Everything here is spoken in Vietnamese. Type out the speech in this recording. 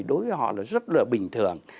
đối với họ là rất là bình thường